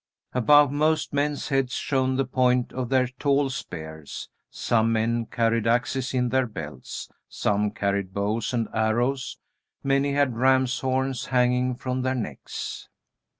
Above most men's heads shone the points of their tall spears. Some men carried axes in their belts. Some carried bows and arrows. Many had ram's horns hanging from their necks.